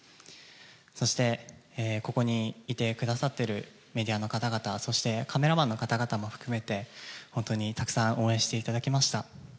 そして、ここにいてくださっているメディアの方々、そしてカメラマンの方々も含めて、本当にたくさん応援していただきました。